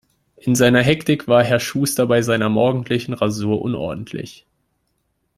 In seiner Hektik war Herr Schuster bei seiner morgendlichen Rasur unordentlich.